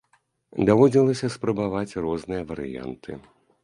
Даводзілася спрабаваць розныя варыянты.